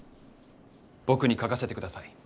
僕に書かせてください。